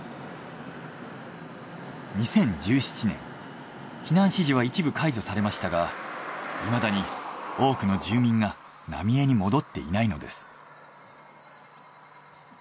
２０１７年避難指示は一部解除されましたがいまだに多くの住民が浪江に戻っていないのです。